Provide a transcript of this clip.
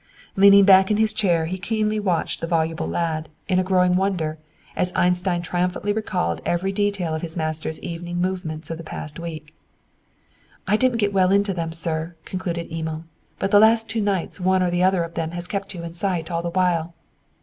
Leaning back in his chair, he keenly watched the voluble lad, in a growing wonder, as Einstein triumphantly recalled every detail of his master's evening movements of the past week. "I didn't get on to them well, sir," concluded Emil, "but the last two nights one or the other of them has kept you in sight all the while.